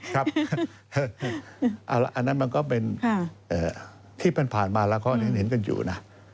ครับอันนั้นมันก็เป็นที่มันผ่านมาแล้วข้อนี้เห็นกันอยู่นะ